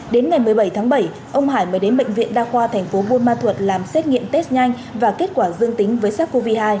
đến ngày một mươi bảy tháng bảy ông hải mới đến bệnh viện đa khoa thành phố buôn ma thuật làm xét nghiệm test nhanh và kết quả dương tính với sars cov hai